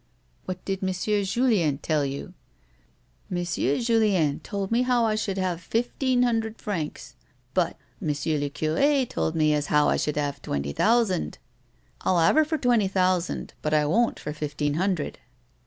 "What did M. Julien tell you ?"" M'sieu Julien told me as how I should have fifteen hundred francs ; but M'sieu I'cur^ told me as how I should 'ave twenty thousand. I'll have her for twenty thoiisand, but I won't for fifteen hundred."